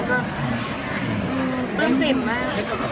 ก็เบื้องริ่มมาก